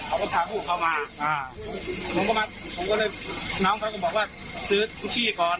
เขาก็พาผู้เข้ามาผมก็เลยน้องเขาก็บอกว่าซื้อชุกกี้ก่อน